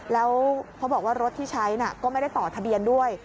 แล้วเขาบอกว่ารถที่ใช้ก็ไม่ได้ต่อทะเบียนด้วย